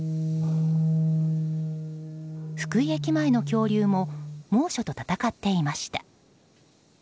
福井駅前の恐竜も猛暑と戦っていました。